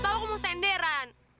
tahu aku mau senderan